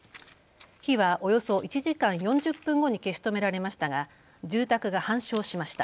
火はおよそ１時間４０分後に消し止められましたが住宅が半焼しました。